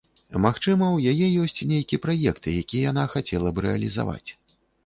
Магчыма, у яе ёсць нейкі праект, які яна хацела б рэалізаваць.